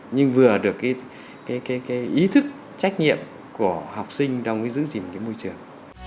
nhưng vừa là được cái ý thức trách nhiệm của học sinh đồng ý giữ gìn cái môi trường